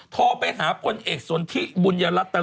ทอไปหาบนเอกสนทิบุญรตรี